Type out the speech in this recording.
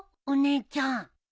お姉ちゃん。